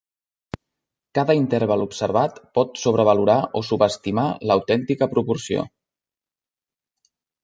Cada interval observat pot sobrevalorar o subestimar l'autèntica proporció.